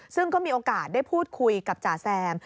ซึ่งก็มีโอกาสได้พูดคุยกับจ๋าแซม